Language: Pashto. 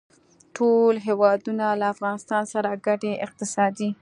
ټول هېوادونه له افغانستان سره ګډې اقتصادي